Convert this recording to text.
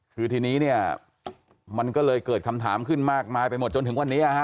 คือทีนี้เนี่ยมันก็เลยเกิดคำถามขึ้นมากมายไปหมดจนถึงวันนี้